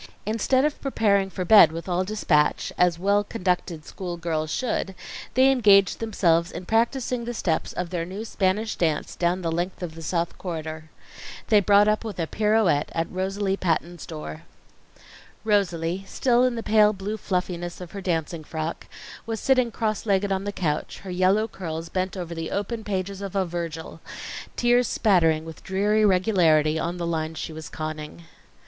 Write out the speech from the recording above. Instead of preparing for bed with all dispatch, as well conducted school girls should, they engaged themselves in practising the steps of their new Spanish dance down the length of the South Corridor. They brought up with a pirouette at Rosalie Patton's door. Rosalie, still in the pale blue fluffiness of her dancing frock, was sitting cross legged on the couch, her yellow curls bent over the open pages of a Virgil, tears spattering with dreary regularity on the lines she was conning.